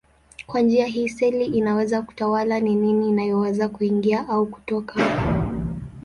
Kwa njia hii seli inaweza kutawala ni nini inayoweza kuingia au kutoka.